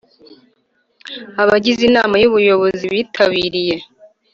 abagize Inama y Ubuyobozi bitabiriye